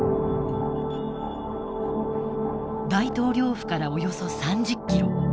大統領府からおよそ３０キロ